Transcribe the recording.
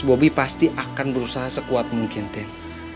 mas bobby pasti akan berusaha sekuat mungkin tin